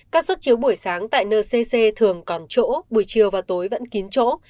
các xuất chiếu buổi sáng tại ncc thường còn chỗ buổi chiều và tối vẫn kín chỗ